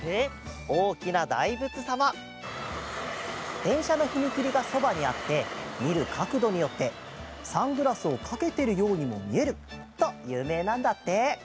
でんしゃのふみきりがそばにあってみるかくどによってサングラスをかけてるようにもみえるとゆうめいなんだって。